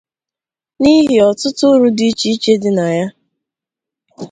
n'ihi ọtụtụ uru dị iche iche dị na ya